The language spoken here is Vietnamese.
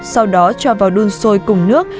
sau đó cho vào đun sôi cùng nước